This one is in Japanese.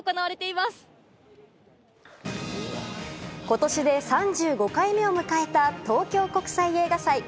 今年で３５回目を迎えた東京国際映画祭。